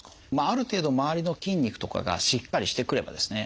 ある程度周りの筋肉とかがしっかりしてくればですね